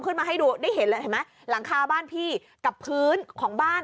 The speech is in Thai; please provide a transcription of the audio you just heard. ขึ้นมาให้ดูได้เห็นเลยเห็นไหมหลังคาบ้านพี่กับพื้นของบ้าน